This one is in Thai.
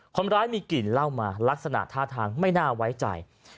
คนร้ายมีกลิ่นเหล้ามาลักษณะท่าทางไม่น่าไว้ใจ